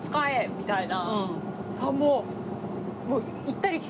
みたいな。